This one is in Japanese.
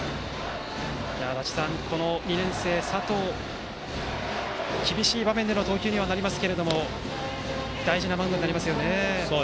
２年生、佐藤は厳しい場面での投球になりますが大事なマウンドになりますよね。